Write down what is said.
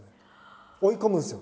追い込むんですよ